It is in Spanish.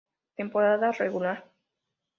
Temporada Regular